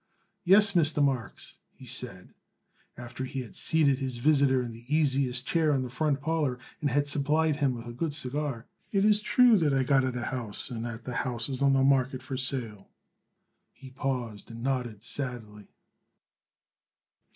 "Yes, Mr. Marks," he said, after he had seated his visitor in the easiest chair in the front parlor and had supplied him with a good cigar, "it is true that I got it a house and that the house is on the market for sale." He paused and nodded sadly.